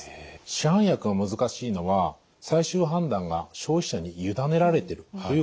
市販薬が難しいのは最終判断が消費者に委ねられてるということです。